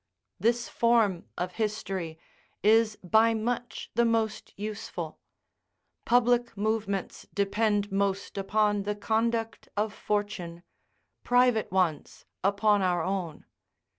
This form of history is by much the most useful; public movements depend most upon the conduct of fortune, private ones upon our own.